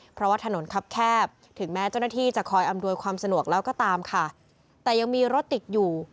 เพราะว่าถนนคับแคบถึงแม้เจ้าหน้าที่จะคอยอำนวยความสะดวกแล้วก็ตามค่ะแต่ยังมีรถติดอยู่